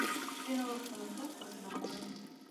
د ناوخته راتګ بښنه غواړم!